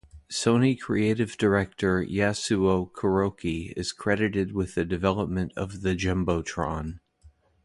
Sony creative director Yasuo Kuroki is credited with the development of the JumboTron.